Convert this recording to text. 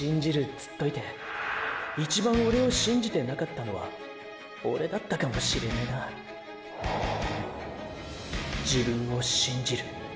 つっといて一番オレを信じてなかったのはオレだったかもしれねぇな“自分を信じる”。